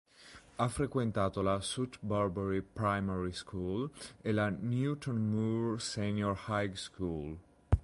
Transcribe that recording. Ha frequentato la South Bunbury Primary School e la Newton Moore Senior High School.